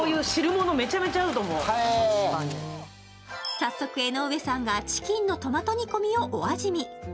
早速、江上さんがチキンのトマト煮込みをお味見。